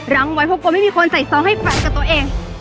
ไว้เพราะกลัวไม่มีคนใส่ซองให้แขวนกับตัวเอง